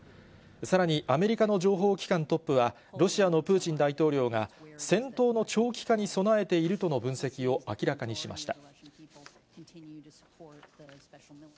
さらに、アメリカの情報機関トップは、ロシアのプーチン大統領が、戦闘の長期化に備えているとの分析を明らかにしました。